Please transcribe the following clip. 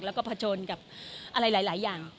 แล้วก็ผจญกับอะไรหลายอย่าง